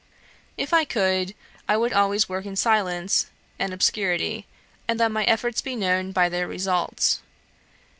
If I could, I would always work in silence and obscurity, and let my efforts be known by their results.